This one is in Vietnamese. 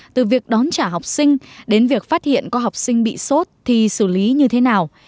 từ việc đón trả học sinh đến việc phát hiện có học sinh bị sốt thì xử lý như thế nào